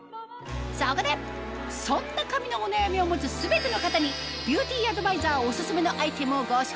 そこでそんな髪のお悩みを持つ全ての方にビューティーアドバイザーオススメのアイテムをご紹介！